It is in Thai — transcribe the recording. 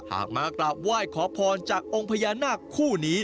มากราบไหว้ขอพรจากองค์พญานาคคู่นี้